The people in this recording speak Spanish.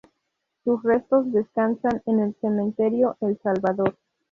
Sus restos descansan en el cementerio El Salvador.